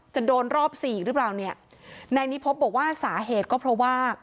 จะโดนรอบสี่หรือเปล่าเนี่ยนายนิพบบอกว่าสาเหตุก็เพราะว่า